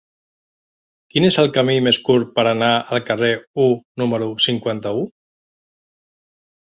Quin és el camí més curt per anar al carrer U número cinquanta-u?